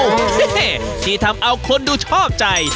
เฮ่เฮ่ที่ทำเอาคนดูชอบใจ